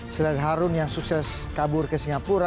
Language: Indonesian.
selain harun yang sukses kabur ke singapura